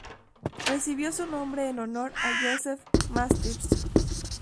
Recibió su nombre en honor a Joseph Masters.